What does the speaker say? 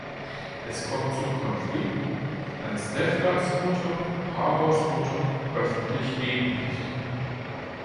Es kommt zum Konflikt, als Devdas' Mutter Paros Mutter öffentlich demütigt.